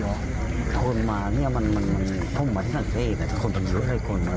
ทวนมานี่มันโธนมาทางสัตเปง